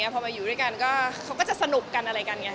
พอมาอยู่ด้วยกันก็เขาก็จะสนุกกันอะไรกันไง